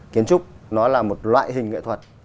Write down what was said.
kiến trúc nó là một loại hình nghệ thuật